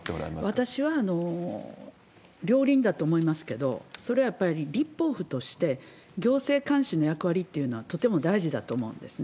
私は両輪だと思いますけど、それはやっぱり立法府として、行政監視の役割というのはとても大事だと思うんですね。